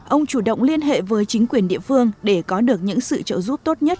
ông chủ động liên hệ với chính quyền địa phương để có được những sự trợ giúp tốt nhất